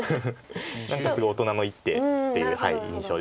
何かすごい大人の一手っていう印象です。